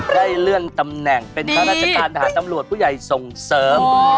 ได้เลื่อนตำแหน่งเป็นข้าราชการทหารตำรวจผู้ใหญ่ส่งเสริม